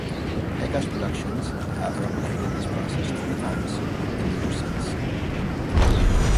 Pegas Productions have replicated this process three times in the years since.